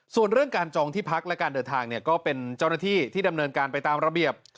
ส่วนเรื่องการจองที่พักและการเดินทางก็เป็นเจ้าหน้าที่ที่ดำเนินการไปตามระเบียบ